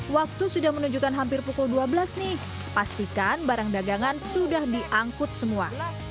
waktu sudah menunjukkan hampir pukul dua belas nih pastikan barang dagangan sudah diangkut semua